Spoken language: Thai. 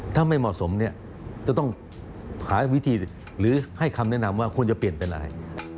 ถ้าไม่เหมาะสมเนี่ยจะต้องหาวิธีหรือให้คำแนะนำว่าควรจะเปลี่ยนเป็นอะไร